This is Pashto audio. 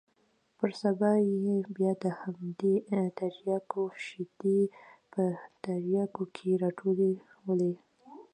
پر سبا يې بيا د همدې ترياکو شېدې په ترياكيو کښې راټولولې.